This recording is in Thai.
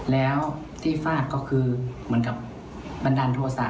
แล้วที่ฟาดก็คือเหมือนกับบันดาลโทษะ